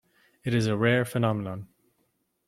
It is a rare Phenomenon.